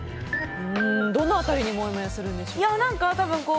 どの辺りにもやもやするんでしょうか。